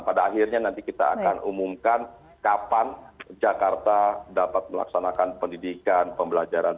pada akhirnya nanti kita akan umumkan kapan jakarta dapat melaksanakan pendidikan pembelajaran